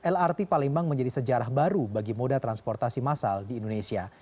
lrt palembang menjadi sejarah baru bagi moda transportasi masal di indonesia